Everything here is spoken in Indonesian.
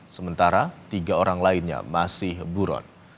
sementara tiga orang lainnya masih buron